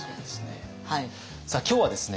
さあ今日はですね